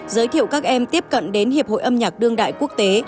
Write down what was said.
giới thiệu các em tiếp cận đến hiệp hội âm nhạc đương đại quốc tế